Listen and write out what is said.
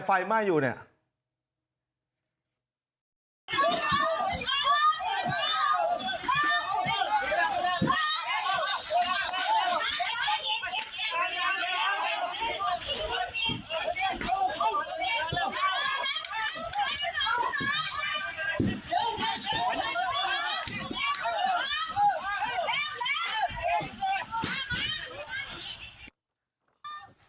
ไฟไหม้อยู่เนี่ย